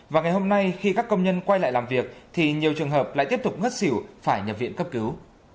và ngày hôm nay khi các công nhân quay lại làm việc thì nhiều trường hợp lại tiếp tục ngất xỉu phải nhập viện cấp cứu